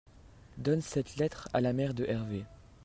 donne cette lettre à la mère de Herve.